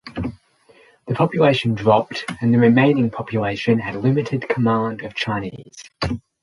The population dropped and the remaining population had limited command of Chinese.